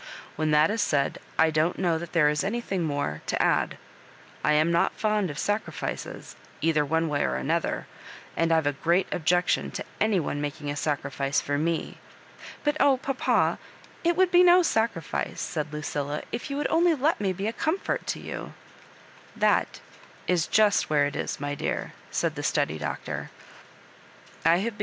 When that is said, I don't know that there is anything more to add« I am not fond of sacrifices, either one way or another ; and I've a great objection to any one making a sacrifice for me" —*' But oh, papa, it would be no sacrifice," said Lucilla, "if you would only let me be a comfort to you I" " That is just where it is, my dear," said the steady Doctor ;'* I have been